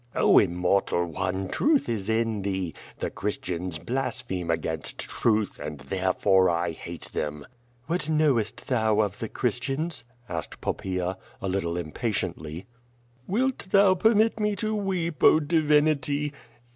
"Oh, immortal one, truth is in thee. The Christians blas pheme against truth, and therefore I hate them." "What knowcst thou of the Ciiristians?" asked Poppaea, a little impatiently. "Wilt thou permit me to weep, oh, divinity?"